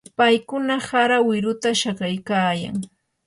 paykuna hara wiruta shakaykaayan.